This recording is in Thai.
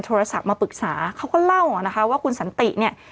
โทรศัพท์มาปรึกษาเขาก็เล่านะคะว่าคุณสันติเนี่ย